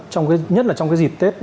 trong cái nhất là trong cái dịp tết